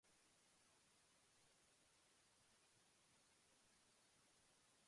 The distinction between active and passive voices is more prevalent in English.